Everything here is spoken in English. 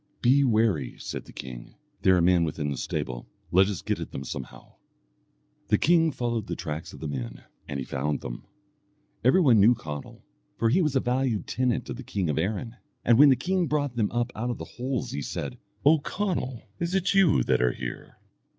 "Be wary," said the king, "there are men within the stable, let us get at them somehow." The king followed the tracks of the men, and he found them. Every one knew Conall, for he was a valued tenant of the king of Erin, and when the king brought them up out of the holes he said, "O Conall, is it you that are here?"